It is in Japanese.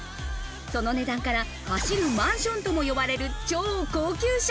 その値段から走るマンションとも呼ばれる超高級車。